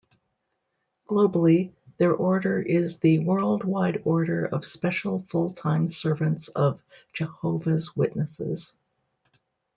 Globally, their order is the "Worldwide Order of Special Full-Time Servants of Jehovah's Witnesses".